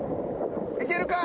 いけるか？